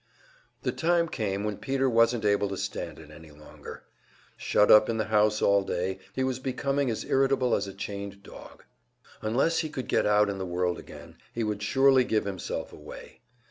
The time came when Peter wasn't able to stand it any longer. Shut up in the house all day, he was becoming as irritable as a chained dog. Unless he could get out in the world again, he would surely give himself away.